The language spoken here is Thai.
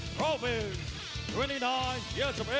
ตอนนี้มวยกู้ที่๓ของรายการ